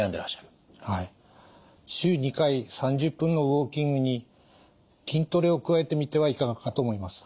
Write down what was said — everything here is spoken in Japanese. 週２回３０分のウォーキングに筋トレを加えてみてはいかがかと思います。